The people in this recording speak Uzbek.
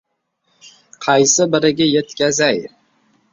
Qaysi biriga yetkazay!